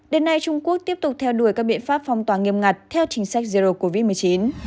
đến nay trung quốc tiếp tục theo đuổi các biện pháp phong tỏa nghiêm ngặt theo chính sách zero covid một mươi chín